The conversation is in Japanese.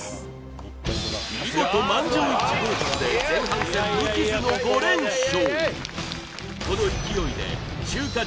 見事満場一致合格で前半戦無傷の５連勝